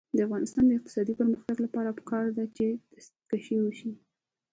د افغانستان د اقتصادي پرمختګ لپاره پکار ده چې دستکشې وي.